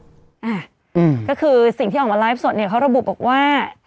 อ่าก็คือสิ่งที่ออกมาไลฟ์สดเนี่ยเขาระบุบอกว่า